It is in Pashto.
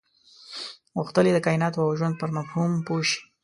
غوښتل یې د کایناتو او ژوند په مفهوم پوه شي.